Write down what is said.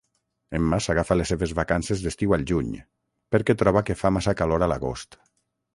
Emma s'agafa les seves vacances d'estiu al juny, perquè troba que fa massa calor a l'agost.